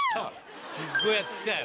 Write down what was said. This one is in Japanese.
すっごいやつ来たよ。